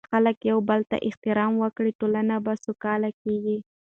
که خلک یو بل ته احترام ورکړي، ټولنه سوکاله کیږي.